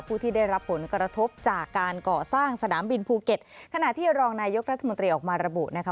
ผู้ที่ได้รับผลกระทบจากการก่อสร้างสนามบินภูเก็ตขณะที่รองนายกรัฐมนตรีออกมาระบุนะคะ